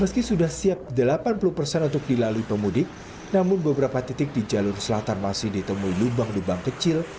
meski sudah siap delapan puluh persen untuk dilalui pemudik namun beberapa titik di jalur selatan masih ditemui lubang lubang kecil